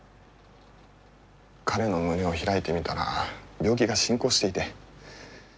彼の胸を開いてみたら病気が進行していて。